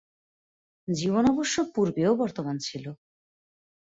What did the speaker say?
জীবন অবশ্য পূর্বেও বর্তমান ছিল।